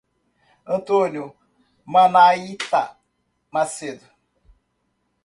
Antônio Manaita Macedo